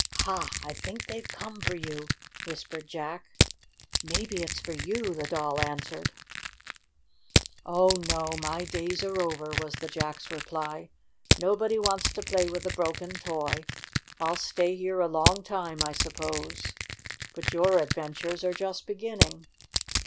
"Ha! I think they've come for you," whispered Jack. "Maybe it's for you," the 1 Doll an swered. 56 STORY OF A SAWDUST DOLL "Oh, no, my days are over," was the Jack's reply. "Nobody wants to play with a broken toy. I'll stay here a long time, I suppose. But your adventures are just beginning."